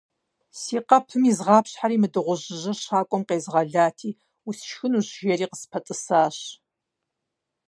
- Си къэпым изгъапщхьэри мы дыгъужьыжьыр щакӏуэм къезгъэлати, «усшхынущ» жери къыспэтӏысащ.